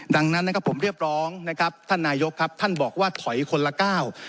ดังนั้นนะครับผมเรียกร้องนะครับท่านนายกครับท่านบอกว่าถอยคนละก้าว